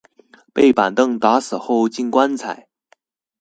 被板凳打死後進棺材